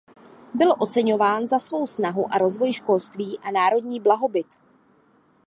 Byl oceňován za svou snahu o rozvoj školství a národní blahobyt.